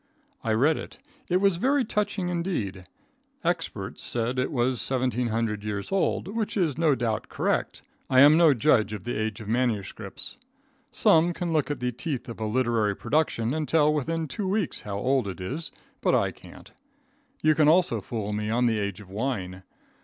I read it. It was very touching indeed. Experts said it was 1,700 years old, which is no doubt correct. I am no judge of the age of MSS. Some can look at the teeth of a literary production and tell within two weeks how old it is, but I can't. You can also fool me on the age of wine.